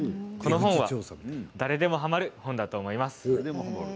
この本は誰でも、はまる本だと思います。